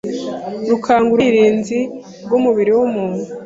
rukangura ubwirinzi bw'umubiri w’umuntu